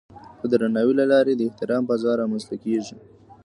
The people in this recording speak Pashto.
د درناوي له لارې د احترام فضا رامنځته کېږي.